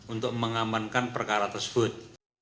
untuk mengamankan perkara tersebut